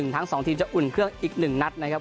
ทั้ง๒ทีมจะอุ่นเครื่องอีก๑นัดนะครับ